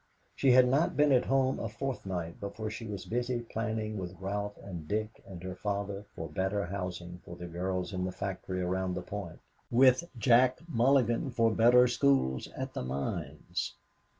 She had not been at home a fortnight before she was busy planning with Ralph and Dick and her father for better housing for the girls in the factory around the Point; with Jack Mulligan for better schools at the mines.